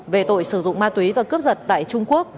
về tội sử dụng ma túy và cướp giật tại trung quốc